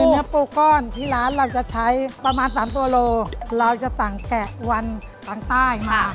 เนื้อปูก้อนที่ร้านเราจะใช้ประมาณ๓ตัวโลเราจะสั่งแกะวันทางใต้มา